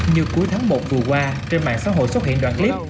như cuối tháng một vừa qua trên mạng xã hội xuất hiện đoạn clip